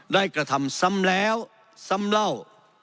แม้จะทำสำแล้วสำเล่า